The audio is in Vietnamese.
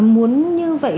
muốn như vậy